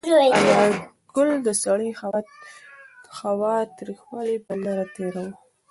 انارګل د سړې هوا تریخوالی په نره تېراوه.